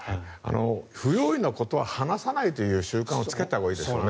不用意なことは話さないという習慣をつけたほうがいいですね。